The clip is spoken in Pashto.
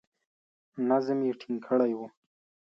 نظم یې ټینګ کړی وو.